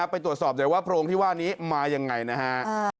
ไปตรวจสอบหน่อยว่าโพรงที่ว่านี้มายังไงนะฮะ